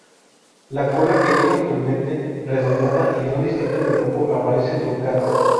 La cola, que es contundente, redondeada, y no distinta del cuerpo, aparece truncada.